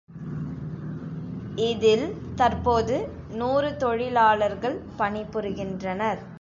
இதில் தற்போது நூறு தொழிலாளர்கள் பணிபுரிகின்றனர்.